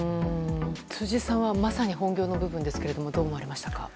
辻さんは、まさに本業の部分ですがどう思われましたか。